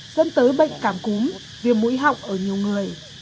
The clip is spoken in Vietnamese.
dẫn tới bệnh cảm cúm viêm mũi họng ở nhiều người